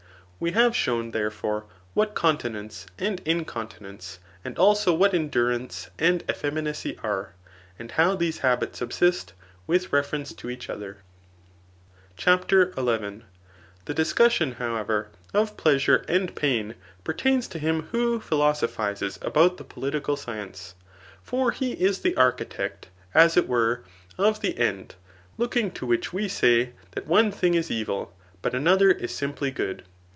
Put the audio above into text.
We have shown, therefore, what continence and inconti nence, and also what endurance and effeminacy are, and how these habits subsist with reference to each other. Digitized by Google CHAP. XI. ETHICS. 275 CHAPTER XL Thb discussion^ however, of pleasure and psun, per* Ittins to him who philosophizes about the political science ; for lie is the architect [as it were] of the end, looking to which we sa^T that one thing is evil, but another is simply good.